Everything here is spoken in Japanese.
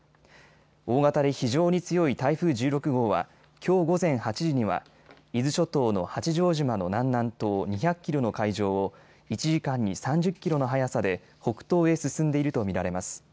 大型で非常に強い台風１６号は、きょう午前８時には伊豆諸島の八丈島の南南東２００キロの海上を、１時間に３０キロの速さで北東へ進んでいると見られます。